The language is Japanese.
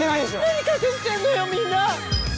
何隠してんのよみんな。